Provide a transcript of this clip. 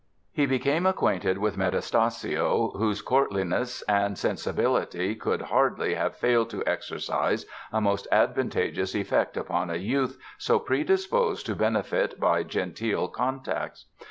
He became acquainted with Metastasio, whose courtliness and sensibility could hardly have failed to exercise a most advantageous effect upon a youth so predisposed to benefit by genteel contacts.